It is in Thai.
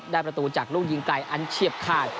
ประตูจากลูกยิงไกลอันเฉียบขาด